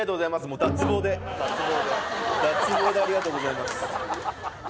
もう脱帽で脱帽でありがとうございます